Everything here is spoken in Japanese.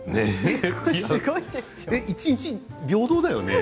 一日平等だよね？